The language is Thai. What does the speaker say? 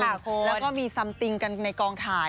แล้วก็มีซัมติงกันในกองถ่าย